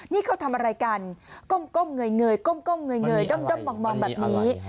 นี่เขาทำอะไรกันก้มเงยด้มมองแบบนี้